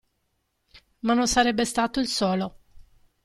Ma non sarebbe stato il solo!